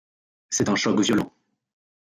C’est un choc violent.